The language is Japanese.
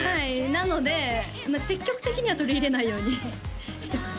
なので積極的には取り入れないようにしてます